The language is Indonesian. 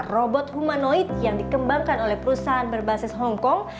robot humanoid yang dikembangkan oleh perusahaan berbasis hong kong